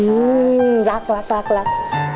อืมรักรักรัก